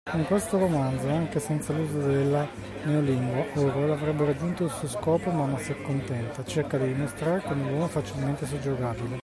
Con questo romanzo anche senza l'uso della Neolingua, Orwell avrebbe raggiunto il suo scopo ma non si accontenta, cerca di dimostrare come l'uomo è facilmente soggiogabile.